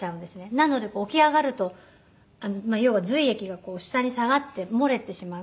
なので起き上がると要は髄液が下に下がって漏れてしまう。